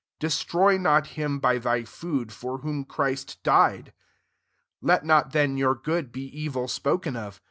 Oe^ ^roy not him by thy food, hi whom Christ died. 16 Let not then yonr good be evil spoken of.